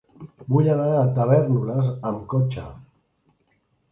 Vull anar a Tavèrnoles amb cotxe.